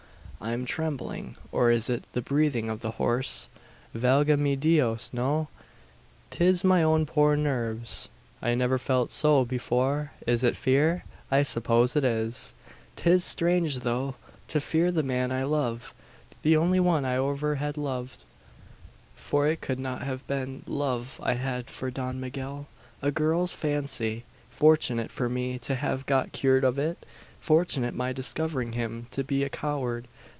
"I am trembling! Or is it the breathing of the horse? Valga me Dios, no! 'Tis my own poor nerves! "I never felt so before! Is it fear? I suppose it is. "'Tis strange though to fear the man I love the only one I over have loved: for it could not have been love I had for Don Miguel. A girl's fancy. Fortunate for me to have got cured of it! Fortunate my discovering him to be a coward.